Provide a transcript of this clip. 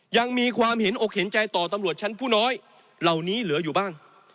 ยังมีความเห็นอกเห็นใจต่อตำรวจชั้นผู้น้อยเหล่านี้เหลืออยู่บ้าง